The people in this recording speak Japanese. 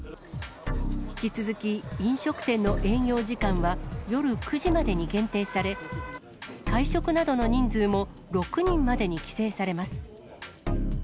引き続き、飲食店の営業時間は、夜９時までに限定され、会食などの人数も６人までに規制されます。